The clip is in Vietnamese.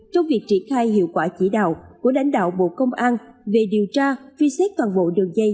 trong việc triển khai hiệu quả chỉ đạo của lãnh đạo bộ công an về điều tra truy xét toàn bộ đường dây